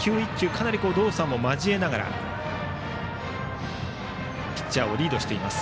かなり動作も交えながらピッチャーをリードしています